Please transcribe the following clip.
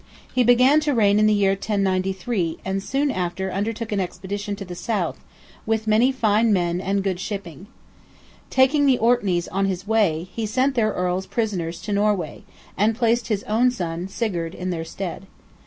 He began to reign in the year 1093, and soon after undertook an expedition to the south, "with many fine men, and good shipping." Taking the Orkneys on his way, he sent their Earls prisoners to Norway, and placed his own son, Sigurd, in their stead.